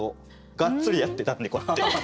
がっつりやってたんでこうやって。